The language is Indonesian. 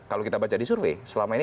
kalau kita baca di survei selama ini